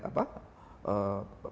apakah itu manajemen